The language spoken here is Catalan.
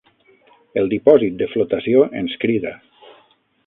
El dipòsit de flotació ens crida.